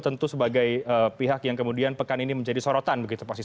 tentu sebagai pihak yang kemudian pekan ini menjadi sorotan